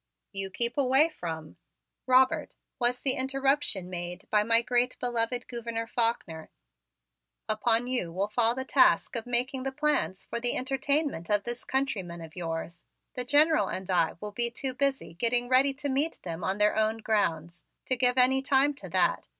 "You keep away from " "Robert," was the interruption made by my great beloved Gouverneur Faulkner, "upon you will fall the task of making the plans for the entertainment of this countryman of yours. The General and I will be too busy getting ready to meet them on their own grounds to give any time to that.